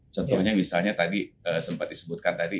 contohnya misalnya tadi sempat disebutkan tadi